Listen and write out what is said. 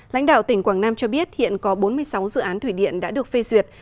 lãnh đạo tỉnh quảng nam cho biết hiện có bốn mươi sáu dự án thủy điện đã được phê duyệt